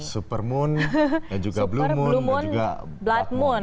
supermoon dan juga blue moon dan juga blood moon